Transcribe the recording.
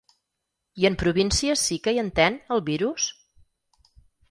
I en províncies sí que hi entén, el virus?